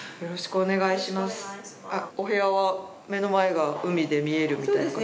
お部屋は目の前が海で見えるみたいな感じ。